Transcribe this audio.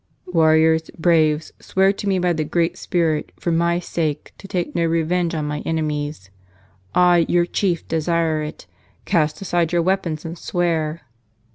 "Warriors, braves, swear to me by the Great Spirit for my sake to take no revenge on my enemies ! I, your chief, desire it. Cast aside your weapons and swear!"